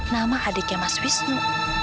nama adiknya mas wisnu